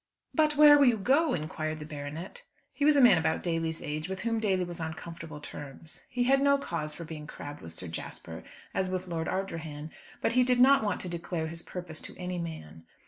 "But where will you go?" inquired the baronet. He was a man about Daly's age, with whom Daly was on comfortable terms. He had no cause for being crabbed with Sir Jasper as with Lord Ardrahan. But he did not want to declare his purpose to any man.